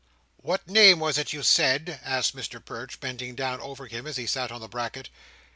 "What name was it you said?" asked Mr Perch, bending down over him as he sat on the bracket.